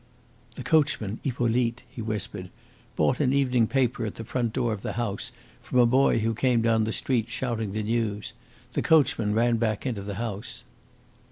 "The coachman, Hippolyte," he whispered, "bought an evening paper at the front door of the house from a boy who came down the street shouting the news. The coachman ran back into the house."